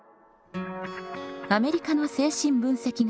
アメリカの精神分析学者